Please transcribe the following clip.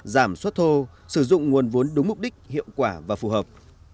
giảm suất thô sử dụng nguồn vốn đúng mục đích hiệu quả và phù hợp